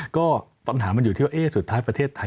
ก็ปัญหามันอยู่ที่ว่าสุดท้ายประเทศไทย